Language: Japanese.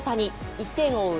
１点を追う